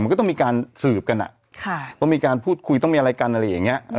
มันก็ต้องมีการสืบกันต้องมีการพูดคุยต้องมีอะไรกันอะไรอย่างนี้